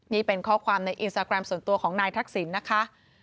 นี่เป็นข้อความในอินสตาแกรมส่วนตัวของนายทักษิณนะคะ